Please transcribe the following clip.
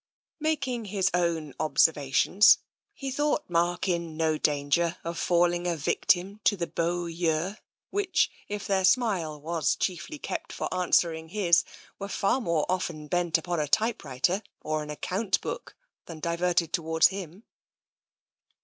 Making his own observations, he thought Mark in no danger of falling a victim to the beaux yeux which, if their smile was chiefly kept for answering his, were far more often bent upon a typewriter or an account book than diverted towards him.